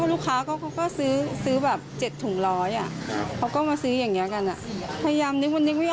รู้ไงเขาก็ไม่เคยมาที่ร้านนี้บ่อยเราก็จำไม่ค่อยได้